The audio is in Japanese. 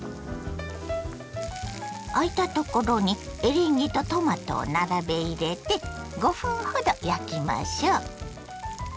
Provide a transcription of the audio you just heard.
あいたところにエリンギとトマトを並べ入れて５分ほど焼きましょ。